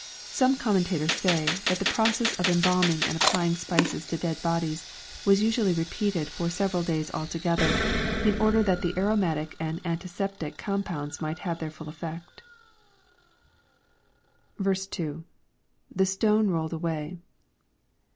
Some commentators say, that the process of embalming and applying spices to dead bodies, was usually repeated for seve ral days together, in order that the aromatic and antiseptic com pounds m ight have their full effect. 2. — [The stone roUed away.